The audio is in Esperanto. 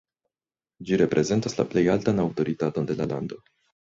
Ĝi reprezentas la plej altan aŭtoritaton de la lando.